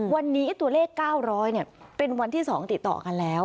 วันนี้ตัวเลข๙๐๐เป็นวันที่๒ติดต่อกันแล้ว